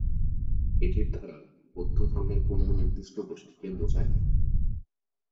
এটির দ্বারা বৌদ্ধধর্মের কোনও নির্দিষ্ট গোষ্ঠীকে বোঝায় না।